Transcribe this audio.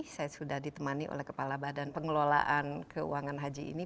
saya sudah ditemani oleh kepala badan pengelolaan keuangan haji ini